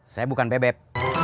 saya bukan bebek